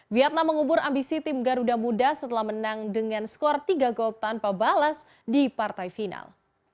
vietnam mengubur ambisi tim garuda muda setelah menang dengan skor tiga gol tanpa balas di partai final